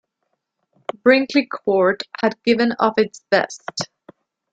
Brinkley Court had given of its best.